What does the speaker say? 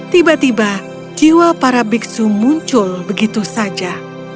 tiba tiba jiwa para biksu muncul begitu saja